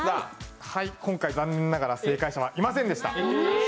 今回、残念ながら正解者はいませんでした。